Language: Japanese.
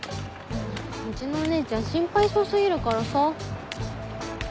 うちのお姉ちゃん心配性過ぎるからさ。